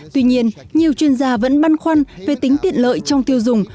tuy nhiên nhiều chuyên gia vẫn băn khoăn về tính tiện lợi trong tiêu dùng